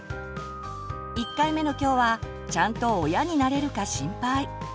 １回目の今日は「ちゃんと親になれるか心配」。